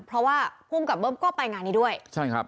เพราะว่าภูมิกับเบิ้มก็ไปงานนี้ด้วยใช่ครับ